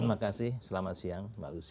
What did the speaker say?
terima kasih selamat siang mbak lucy